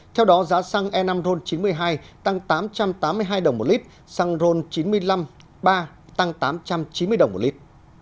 theo đó giá xăng e năm ron chín mươi hai tăng tám trăm tám mươi hai đồng một lít xăng ron chín mươi năm ba tăng tám trăm chín mươi đồng một lít